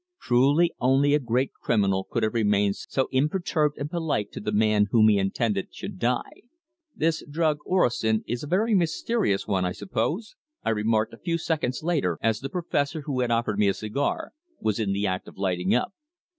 Truly only a great criminal could have remained so imperturbed and polite to the man whom he intended should die. "This drug orosin is a very mysterious one, I suppose?" I remarked a few seconds later as the Professor, who had offered me a cigar, was in the act of lighting up.